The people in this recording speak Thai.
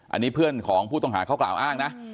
อันนี้เพื่อนของผู้ต้องหาเขากล่าวอ้างนะ